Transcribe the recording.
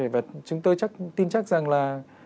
và chúng tôi tin chắc rằng là